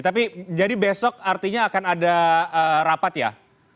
tapi jadi besok artinya akan ada rapat ya